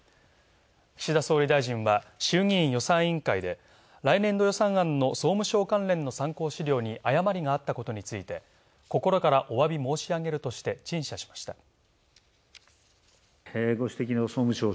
岸田総理大臣は衆議院予算委員会で、来年度予算案の総務省関連の参考資料に誤りがあったことについて心からお詫び申し上げるとして陳謝しました。